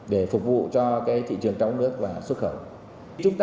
để phục vụ cho các nhà nông sản